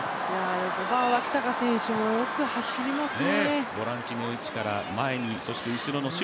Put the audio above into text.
脇阪選手もよく走りますね。